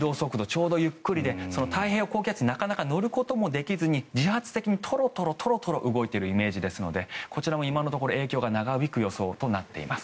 ちょうどゆっくりで太平洋高気圧に乗ることもできずに自発的にトロトロと動いているイメージですのでこちらも今のところ影響が長引く予想となっています。